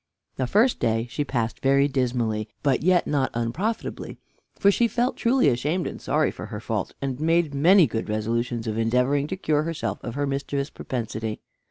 The first day she passed very dismally, but yet not unprofitably, for she felt truly ashamed and sorry for her fault, and made many good resolutions of endeavoring to cure herself of her mischievous propensity.